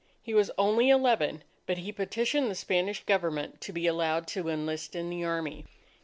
He was only eleven; but he petitioned the Spanish Government to be allowed to enlist in the army.